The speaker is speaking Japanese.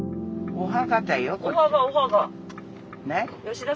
お墓。